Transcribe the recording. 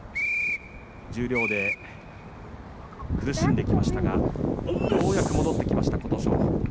十両で苦しんできましたがようやく戻ってきました琴勝峰